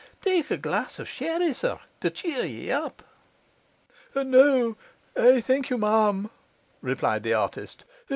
Take a glass of sherry, sir, to cheer ye up.' 'No, I thank you, ma'am,' replied the artist.